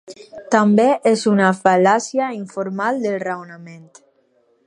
També és una fal·làcia informal del raonament.